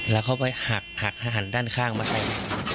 แล้วเขาไปหักหักหันด้านข้างมาใส่